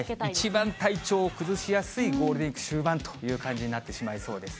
一番体調を崩しやすいゴールデンウィーク終盤という感じになってしまいそうです。